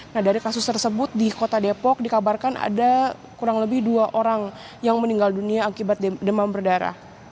nah dari kasus tersebut di kota depok dikabarkan ada kurang lebih dua orang yang meninggal dunia akibat demam berdarah